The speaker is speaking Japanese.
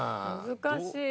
難しい。